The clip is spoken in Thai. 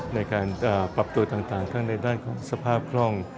ในการปรับตัวต่างทั้งในด้านของสภาพคล่อง